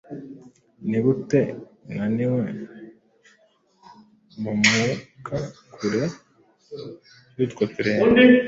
Niguteunaniwe mu mwukakure yutwo turere